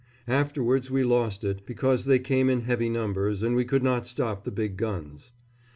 Afterwards we lost it, because they came in heavy numbers, and we could not stop the big guns.